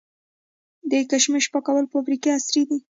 د کشمش پاکولو فابریکې عصري دي؟